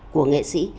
của nghệ sĩ